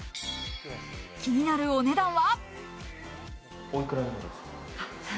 気になるお値段は？